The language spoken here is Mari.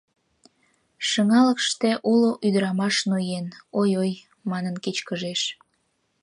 Шыҥалыкыште улшо ӱдырамаш ноен, ой-ой манын кечкыжеш.